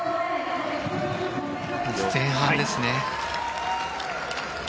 前半ですね。